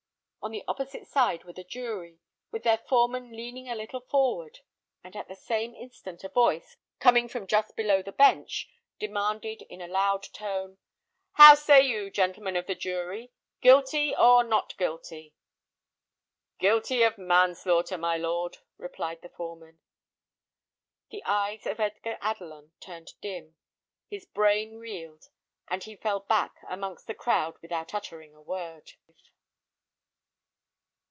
On the opposite side were the jury, with their foreman leaning a little forward; and at the same instant a voice, coming from just below the bench, demanded, in a loud tone, "How say you, gentlemen of the jury; Guilty, or not guilty?" "Guilty of manslaughter, my lord," replied the foreman. The eyes of Edgar Adelon turned dim, his brain reeled, and he fell back amongst the crowd without uttering a word.